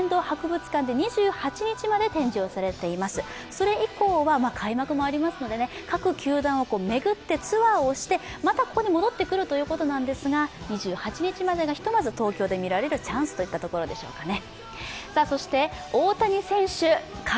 それ以降は開幕もありますので各球団を巡ってツアーをしてまたここに戻ってくるということなんですが２８日までがひとまず東京で見られるチャンスといったところでしょうかね。